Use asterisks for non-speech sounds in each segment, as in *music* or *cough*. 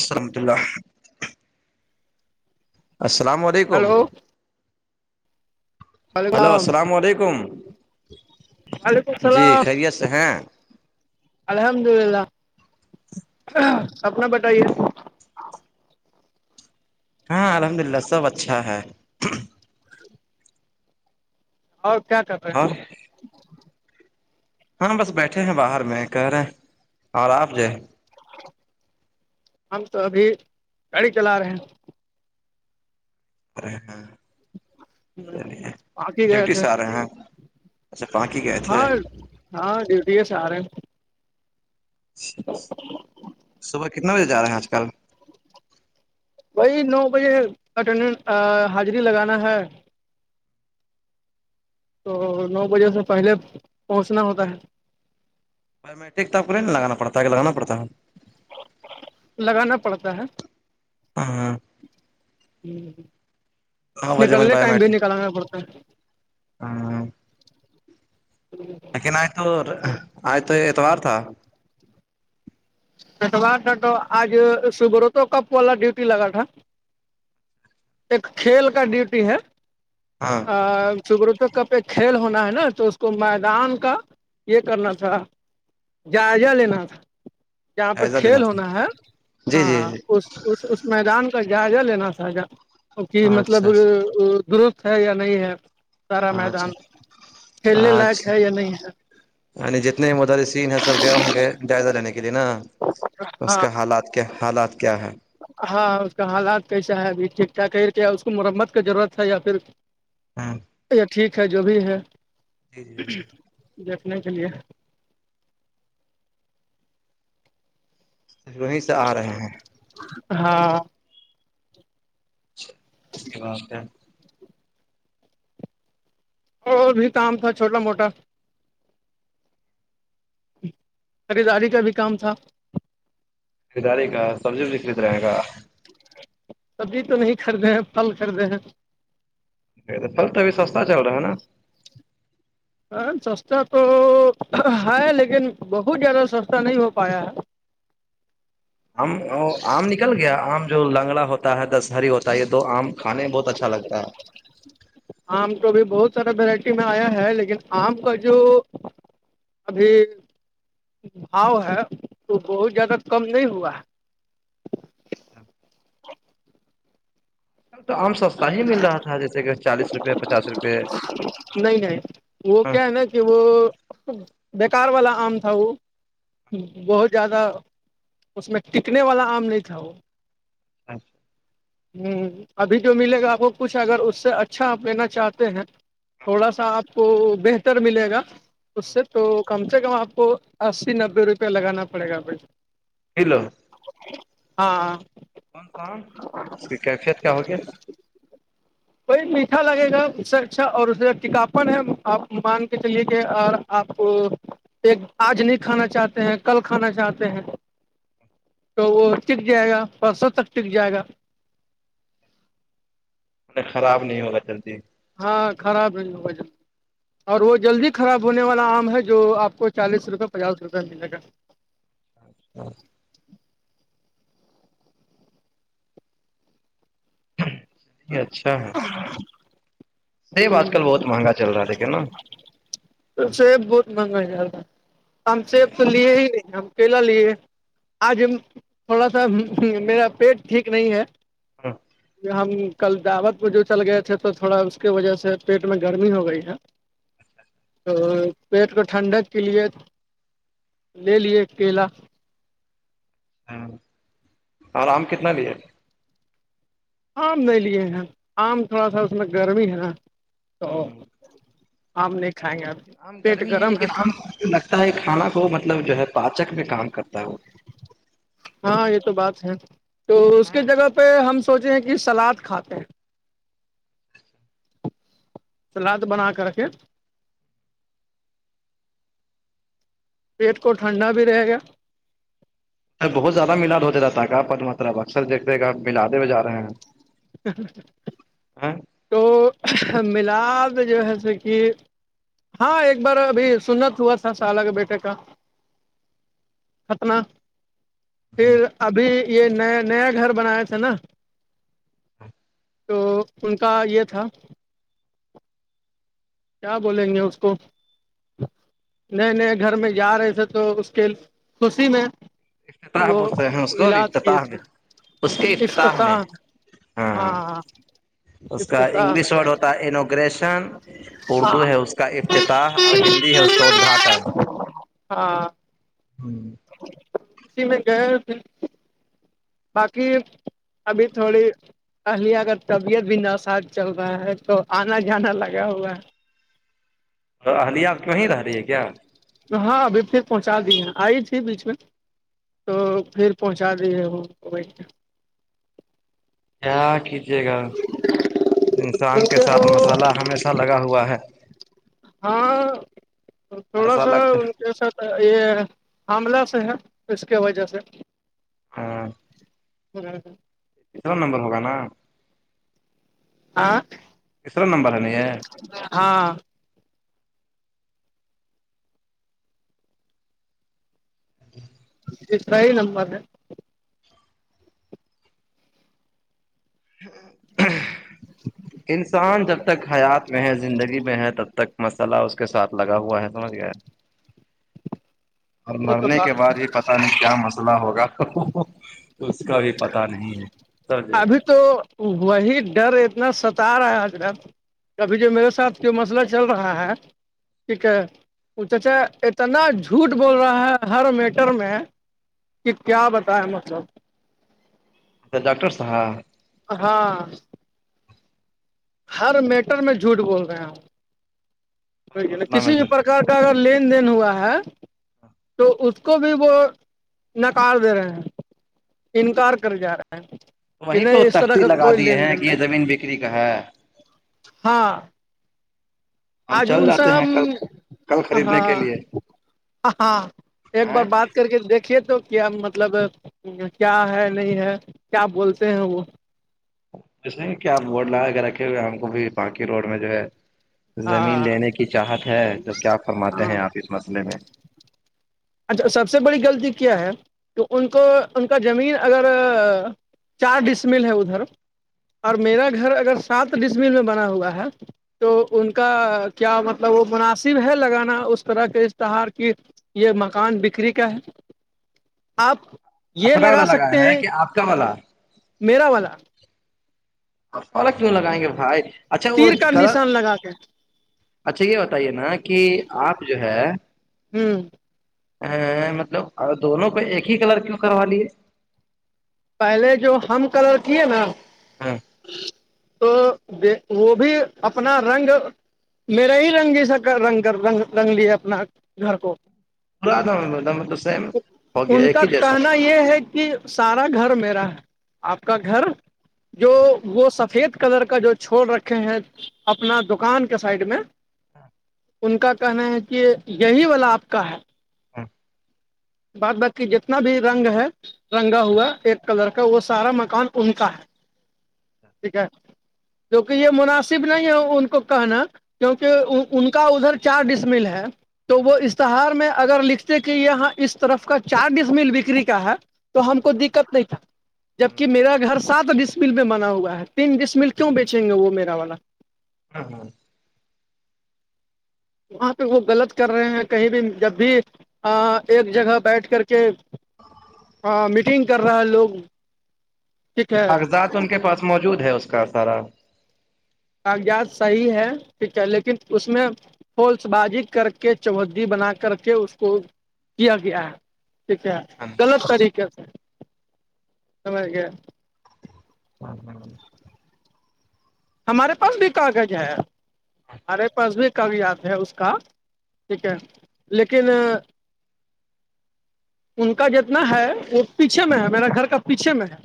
السحمد اللہ- السلام علیکم- ہلو وعلیکم ہیلو اللام السلام علیکم- وعلیکم جی السلام- خیریت سے ہیں الحمد للہ اپپنا بتائیے- ہاں الحمد للہ سب اچھا ہے اور کیا کرتے ہیں- اور ہاں بس بیٹھے ہیں باہر میں کہہ رہے ہیں اور آپ جائ- ہم تو ابھی گاڑی چلا رہے ہیں- پر چلیے باقی گئے ڈیوٹی تھے سے آ رہے ہیںپ اچھا پانکی گئے ہاں تھے- ہاں ڈیوٹی کے سے آ رہے ہیں- صبح کتنا بجے جا رہے ہیں آج کل- بھی نو بجے اٹینڈ حاضری لگانا ہے- تو نو بجے سے پہلے پہنچنا ہوتا ہے- ٹیکپ کو نہیں لگاناڑتا ہے کہ لگاناڑتا ہے- لگانا پڑتا ہے ہاں- ہاں نو بجے میں نکلنے بایو ٹائم بھی میٹرک نکالانا پڑتا ہے- ہاں جی لیکن آج تو آج تو اتوار تھا چٹو ڈٹو آج صبح تو کپ والا ڈیوٹی لگا تھا- ایک کھیل کا ڈیوٹی ہے- ہاں شکروت کپ ایک کھیل ہونا ہے نا تو اس کو میدان کا یہ کرنا تھا- جائزہ لینا تھا جہاں پہ جائزہ کھیل لینا تھا ہونا ہے جی جی ہاںاں جی اس- اس- اس میدان کا جائزہ لینا تھااہ جا کہ اچھا مطلب- درست ہے یا نہیں ہے سارا اچھا میدان کھیلنے لائق ہے یا نہیں ہے- ینی جتنے مدر سین ہیں سب گئے وہاں کے جائزہ لینے کے لیے نا- اس ہاں کا حالات کیا حالات کیا ہے ہاں اس کا حالات کیسا ہے ابھی ٹھیک ٹھاک ہے کیا اس کو مرمت کا ضرورت ہے یا پھر- ہاں ٹھیک ہے جو بھی ہے جی جی دیکھنے کے لیے- وہیں سے آ رہے ہیں ہاں یہ ب ہے اور بھی کام تھا چھوٹا موٹا- خریداری کا بھی کام تھا- کریداری کا سبزیکھرید رہے گا- سبزی تو نہیں خریدے ہیں پھل خریدے ہیں- ا پل تو اب سستا چل رہا ہے نا- ہ سستا تو ہے لیکن بہت زیادہ سستا نہیں ہو پایا ہے- آم نکل گیا آم جو لنگڑا ہوتا ہے دسہری ہوتا یہے آم کھے میں بہت اچھا لگتا ہے آم تو بھی بہت سارا ورائٹی میں آیا ہے لیکن آم کا جو ابھی بھاؤ ہے تو بہت زیادہ کم نہیں ہوا ہے اب تو آم سستا ہی مل رہا تھا جیسے کہ چالیس روپے پچاس روپے نہیں نہیں وہ کیا ہے نا کہ وہ بیکار والا آم تھا وہ بہت زیادہ اس میں ٹکنے والا آم نہیں تھا وہ اچھا ہمم ابھی جو ملے گا آپ کو کچھ اگر اس سے اچھا آپ لینا چاہتے ہیں تھوڑا سا آپ کو بہتر ملے گا اس سے تو کم سے کم آپ کو اسی نبے روپے لگانا پڑے گا بھ کلو ہاں کون ساان اس کی کیفیت کیا ہوگی کوئی میٹھا لگے گا اس سے اچھا اور اس ٹیکاپن ہے آپ مان کے چلیے کہ آپ کو ایک آج نہیں کھانا چاہتے ہیں کل کھانا چاہتے ہیں تو وہ ٹک جائے گا پرسوں تک ٹک جائے گا خراب نہیں ہوگا جلدی ہاں خراب ہے وجہ اور وہ جلدی خراب ہونے والا آم ہے جو آپ کو چالیس روپئے پچاس روپئے ملے گا *inaudible* ج اچھا ہے سیب آج کل گا بہت مہنگا چل رہا تھا کیا نا تو سیب بہت مہنگا جا تھا ہم سیب تو لیے ہی ہم کیلا لی آج تھوڑا سا میرا پیٹ ٹھیک نہیں ہے ہمم ہم کل دعوت میں جو چل گئے تھے تو تھوڑا اس کے وجہ سے پیٹ میں گرمی ہو گئی ہے تو پیٹ کو ٹھنڈک کے لیے لے لیے کیلا ہمم اور آم کتنا بھی ہے آم نہیں لیے ہیں آم تھوڑا سا اس میں گرمی ہے نا تو آپ نہیں کھائیں گے اب لیکن عام پیٹ گرمی ہے گرم لیکن عام لگتا ہے کھانا کو مطلب جو ہے پاچک میں کام کرتا ہے وہ ہاں یہ تو بات ہے تو اس کی جگہ پہ ہم سوچے ہیں کہ سلاد کھاتے ہیں سلاد بنا کر رکھے پیٹ کو ٹھنڈا بھی رہے گا بہت زیادہ مالد ہوتے رہتا تھا پر مطلب اکثر دیکھتے کہ ملاے ہو جا رہے ہیں تو ملاپ جو ہے س کہ ہاں ایک بار ابھی سنت ہوا تھا سالہ کے بیٹے کا ختناہ پھر ابھی یہ نیا نیا گھر بنایا تھاے نا تو ان کا یہ تھا کیا بولیں گے اس کو نہیں نہیں گھر میں جا رہے تھے تو اس کے خوشی میں افتتاح وہ بولتے ہیں اس کو ملاد کیے افتتاح تھے میں اس کے میں افتتاح ہاں اس کا افتتاح انگلش میں ورڈ گئے ہوتا ہے انوگریشن اردو ہے وہ اس کا افتتاح اور ہندی ہے اس کا ادھاٹن ہ جی میں گیا ت باقی ابھی تھوڑی اہلے اگر طبیعت بھی نساز چل رہا ہے تو آنا جانا لگا ہوا ہے اہلیا کہیں رہی ہے کیا ہاں ابھی پھر پہنچا دی ہیں آئی تھی بیچ میں تو پھر پہنچا دیجے ہم وہیںہ کیا کیجیے گا انسان کے ساتھ مسالہ ہمیشہ لگا ہوا ہے تھوڑا ایسا سا لگتا ہے کے ساتھ یہ حاملہ سے ہے اس کے وجہ سے ہاں ہاں تیسرا نمبر ہوگا نا آاں ترا نمبر ہے نہیں یہ ہاں جی سرائی نم مد ہاں انسان جب تک حیات میں ہے زندگی میں ہے تب تک مسئلہ سلا اس کے ساتھ لگا ہوا ہے سمجھ گئے اور وہ تو مرنے کے بات بعد بھی پتا نہیں کیا مسئلہ ہوگا اس کا بھی پتا پ نہیں ہے سرض ہے ابھی تو وہی ڈر اتنا ستا رہا حجر ابھی جو میرے ساتھ جو مسئلہ چل رہا ہے ٹھیک ہے اچھا اتنا جھوٹ بول رہا ہے ہر میٹر میں کہ کیا بت ہے مطلب ا ڈاکٹر صحا ہاں ہر میٹر میں جھوٹ بول رہے ہیں آپ ہر ن مسئلہ کسی میں بھی پرک کا اگر لین دین ہوا ہے تو اس کو بھی وہ نکار دے رہے ہیں انکار کر جا رہا ہے کہ وہیں کو نہیں اس طرح تشتی کا لگا کوئی دیے لین ہیں دین کہ یہ نہیں زمین بکری کا ہے ہاں ہم آج چل ان سے جاتے ہم ہیں کل کل خریدنے ہاں کے لیے ہاں ایک بار ا بات کر کے دیکھیے تو کیا مطلب کیا ہے نہیں ہے کیا بولتے ہیں وہ جسے کہ آپ بورڈ لگا کے رکھے ہوئے ہم کو بھی باقی روڈ میں جو ہے زمین ہاں لینے کی چاہت ہے تو کیا فرماتے ہیں ہاں آپ اس مسئلے میں اچھا سب سے بڑی غلطی کیا ہے کہ ان کو ان کا زمین اگر چار ڈسمل ہے ادھر اور میرا گھر اگر سات ڈشمل میں بنا ہوا ہے تو ان کا کیا مطلب وہ مناسب ہے لگانا اس طرح کے اشتہار کی یہ مکان بکری کا ہے آپ یہ اپنا والا لگا سکتے لگایا ہے ہیں کہ آپ کا ملا میریرا والا الگ کیوں لگائیں گے بھائی اچھا وہ تیر کا کلر نشان لگا کے اچھا یہ بتائیے نا کہ آپ جو ہے ہوں ا مطلب اور دونوں کو ایک ہی کلر کیوں کروا لیے پہلے جو ہم کلر کیے نا ہاں تو د وہ بھی اپنا رنگ میرا ہی رنگی سا رنگ کر رنگ لیا اپنا گھر کو پورا دم د مطلب سیم ہو گیا ان ایک کا ہی جیسا کہنا یہ ہے کہ سارا گھر میرا آپ کا گھر جو وہ سفید کلر کا جو چھوڑ رکھے ہیں اپنا دکان کے سائڈ میں ہاں ان کا کہنا ہے کہ یہی والا آپ کا ہے ہ بات باقی جتنا بھی رنگ ہے رنگا ہوا ایک کلر کا وہ سارا مکان ان کا ہے ٹھیک ہے جوکہ یہ مناسب نہیں ہے ان کو کہنا کیونکہ ان کا ادھر چار ڈسمل ہے تو وہ اشتہار میں اگر لکھتے کہ یہاں اس طرف کا چار ڈس مل بکری کا ہے تو ہم کو دقت نہیں تھا جبک میرا گھر سات ڈسمل میں بنا ہوا ہے تین ڈسمل کیوں بیچیں گے وہ میرا والا ہاں ہاں وہاں پہ وہ غلط کر رہے ہیں کہیں بھی جب بھی ایک جگہ بیٹھ کر کے ہاں میٹنگ کر رہا ہے لوگ ٹھیک ہے کاغذات ان کے پاس موجود ہے اس کا سارا کاغذات صحیح ہے ٹھیک ہے لیکن اس میں ہولس بازی کر کے چودی بنا کر کے اس کو کیا گیا ہے ٹ کیا ہے گلط طریقے سے سج گ ہاں ہاں ہمارے پاس بھی کاغذ ہے ہمارے پاس بھی کاغذات ہے اس کا ٹھیک ہے لیکن ان کا جتنا ہے وہ پیچھے میں ہے میرا گھر کا پیچھے میں ہے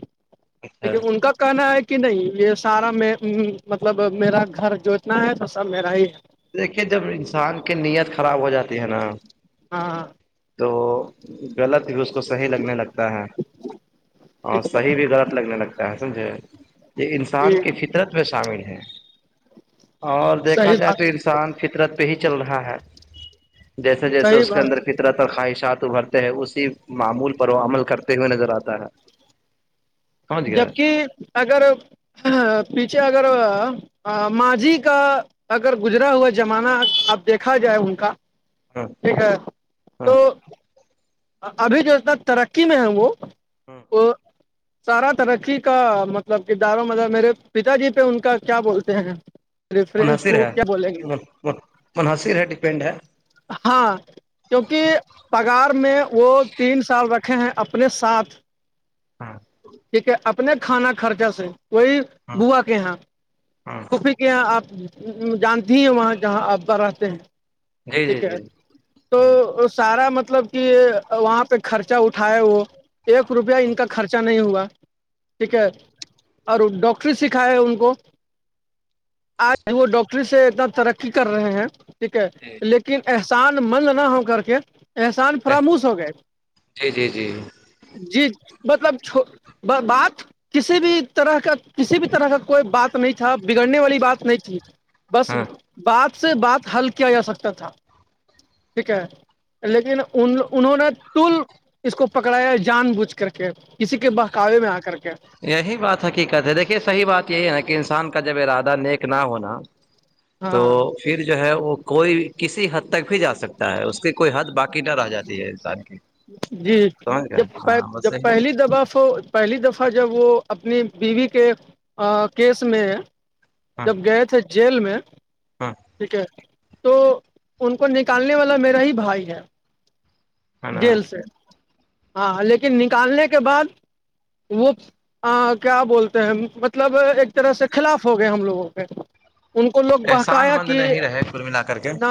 اچھا لیکن ان کا کہنا ہے کہ نہیں یہ سارا میں ہ مطلب میرا گھر جو اتنا ہے تو سب میرا ہی ہے دیکھیے جب انسان کی نییت خراب ہو جاتی ہے نا ہاں تو غلط بھی اس کو صحیح لگنے لگتا ہے اور صحیح بھی درد لگنے لگتا ہے سمجھے یہ جی انسان کی فطر ت میں شامل ہیں اور دیکھا صحیح جائے تو بات سان فطرت پہ ہی چل رہا ہے جیسے جیسے صحیح اس کے بات اندر فطرت خواہشات ابھرتے ہیں اسی معمول پر وہ عمل کرتے ہوئے نظر آتا ہے سمجھ گئے جبک اگر پیچھے اگر ماضھی کا اگر گزرا ہوا زمانہ اب دیکھا جائے ان کا ہاں ٹھیک ہے تو ہاں ابھی جو اتنا ترقی میں ہے وہ وہ سارا ترقی کا مطلب کرداروں مطلب میرے پتا جی پہ ان کا کیا بولتے ہیں ریفرنس منحصر کو ہے کیا بولیں گے منحصر ہے ڈپینڈ ہے ہاں کیونکہ پگار میں وہ تین سال رکھے ہیں اپنے ساتھ ہاں ٹھیک ہے اپنے کھانا خرچہ سے وہی ہاں بووا کے یہاں ہاں توف یہاں آپ جانتی ہیں وہاں جہاں آ بار آتے ہیں جی جی ٹھیک ہے جی تو سارا مطلب کہ وہاں پہ خرچہ اٹھاائے وہ ایک روپیہ ان کا خرچہ نہیں ہوا ٹھیک ہے اور ڈاکٹری سکھائے ان کو آج وہ ڈاکٹری سے اتنا ترقی کر رہے ہیں ٹھیک ہے جی لیکن احسان من نہ ہو کر کے احسان فراموش ہو گئے جی جی جی جی مطلب چھو بات کسی بھی طرح کا کسی بھی طرح کا کوئی بات نہیں تھا بگڑنے والی بات نہیں تھی بس ہاں بات سے بات حل کیا جا سکتا تھا ٹھیک ہے لیکن ان انہوں نے تول اس کو پکڑایا جان بوجھ کر کے کسی کے بہکاوے میں آ کر کے یہی بات حقیقت ہے دیکھیے صحی بات یہی ہے نا کہ انسان کا جب ارادہ نیک نہ ہونا تو ہاں پھر جو ہے وہ کوئی کسی حد تک بھی جا سکتا ہے اس کی کوئی حد باقی نہ رہ جاتی ہے انسان کی جی سمجھ گئے جب ہاں بس جب صحیح پہلی دبا ہو ہو پہلی دفعہ جب وہ اپنی بیوی کے کیس میں ہاں جب گئے تھے جیل میں ہاں ٹھیک ہے تو ان کو نکالنے والا میرا ہی بھائی ہے ہے نا جیل سے ہاں لیکن نکالنے کے بعد وہ ہاں کیا بولتے ہیں مطلب ایک طرح سے خلاف ہو گئے ہم لوگوں کے ان کو لوگ احسان بہکایا مند کہ نہیں رہے کل ملا کر کے ن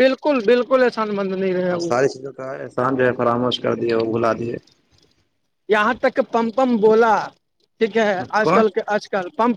بالکل بالکل ایسان مند نہیں رہے وہ چ کاا کان جو ہے فراموش کر دیے وہ بھلا دیے یہاں تک پمپم بولا ٹھیک ہے آج کون کل کے آج کل پمپم